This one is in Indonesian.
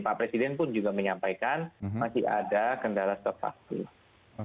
pak presiden pun juga menyampaikan masih ada kendala stok vaksin